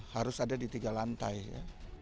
harus ada di tiga lantai ya